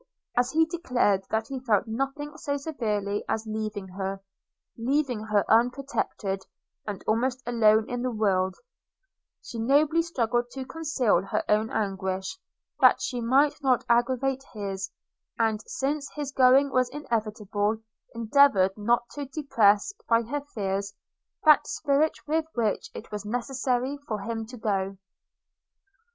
As he declared that he felt nothing so severely as leaving her – leaving her unprotected, and almost alone in the world, she nobly struggled to conceal her own anguish, that she might not aggravate his; and, since his going was inevitable, endeavoured not to depress, by her fears, that spirit with which it was necessary for him to go.